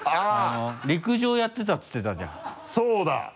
陸上やってたって言ってたじゃんそうだ。